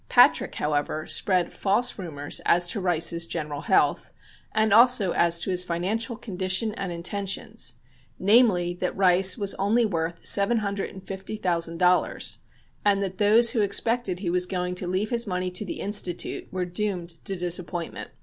Patrick, however, spread false rumors as to Rice's general health and also as to his financial condition and intentions, namely, that Rice was only worth seven hundred and fifty thousand dollars, and that those who expected he was going to leave his money to the Institute were doomed to disappointment.